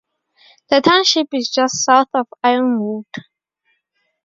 The township is just south of Ironwood.